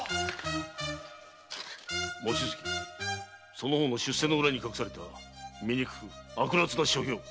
その方の出世の裏に隠された醜く悪らつな所業。